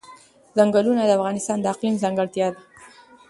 ځنګلونه د افغانستان د اقلیم ځانګړتیا ده.